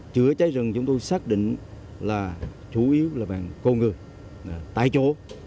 chữa cháy rừng chúng tôi xác định là chủ yếu là bằng công người tại chỗ